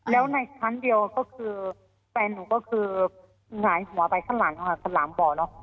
แล้วในชั้นเดียวก็คือแฟนหนูก็คือหงายหัวไปข้างหลังค่ะสลามบ่อเนอะ